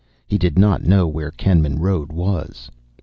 He did not know where Kenman Road was.